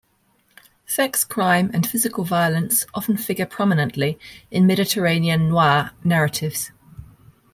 Sex, crime, and physical violence often figure prominently in Mediterranean Noir narratives.